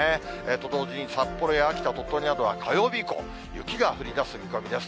と同時に札幌や秋田、鳥取などは火曜日以降、雪が降りだす見込みです。